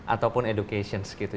ataupun education segitu